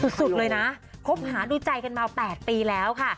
สุดเลยนะคบหาดูใจกันมา๘ปีแล้วค่ะ